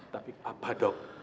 tapi apa dok